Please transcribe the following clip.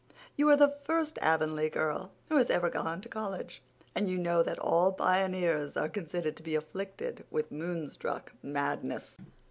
You are the first Avonlea girl who has ever gone to college; and you know that all pioneers are considered to be afflicted with moonstruck madness."